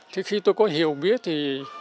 thì khi tôi có hiểu biết thì